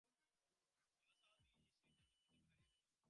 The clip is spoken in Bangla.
সেলেসাওদের সেই জাদু কি তবে হারিয়ে গেল?